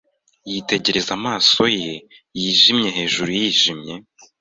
yitegereza amaso ye yijimye hejuru yijimye